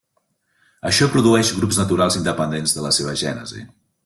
Això produeix grups naturals independents de la seva gènesi.